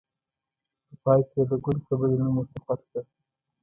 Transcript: په پای کې یې د ګل خبرې نوم ورته خوښ کړ.